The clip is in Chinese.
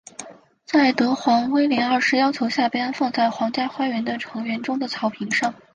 在德皇威廉二世要求下被安放在皇家花园的橙园中的草坪上。